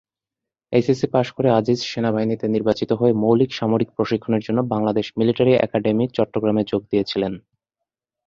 HSC পাশ করে আজিজ সেনাবাহিনীতে নির্বাচিত হয়ে মৌলিক সামরিক প্রশিক্ষণের জন্য বাংলাদেশ মিলিটারি একাডেমি চট্টগ্রামে যোগ দিয়েছিলেন।